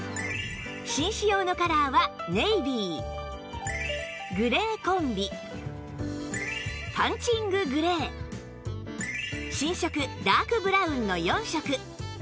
紳士用のカラーはネイビーグレーコンビパンチンググレー新色ダークブラウンの４色